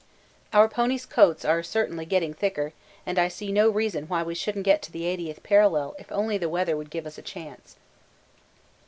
Our ponies' coats are certainly getting thicker and I see no reason why we shouldn't get to the 80th parallel if only the weather would give us a chance.